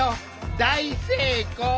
大成功！